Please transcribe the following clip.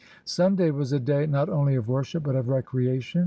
Sun day was a day not only of worship but of recrea tion.